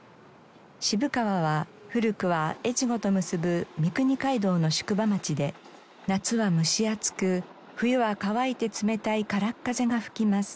渋川は古くは越後と結ぶ三国街道の宿場町で夏は蒸し暑く冬は乾いて冷たい空っ風が吹きます。